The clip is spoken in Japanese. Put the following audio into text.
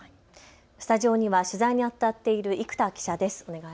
スタジオには取材にあたっている生田記者です。